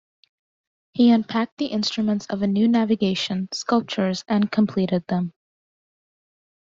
He unpacked the "Instruments of a New Navigation" sculptures and completed them.